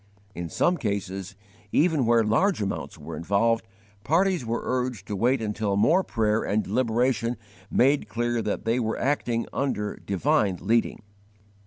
In some cases, even where large amounts were involved, parties were urged to wait until more prayer and deliberation made clear that they were acting under divine leading.